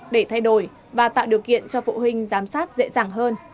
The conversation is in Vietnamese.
để thay đổi và tạo điều kiện cho phụ huynh giám sát dễ dàng hơn